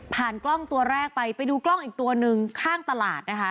กล้องตัวแรกไปไปดูกล้องอีกตัวหนึ่งข้างตลาดนะคะ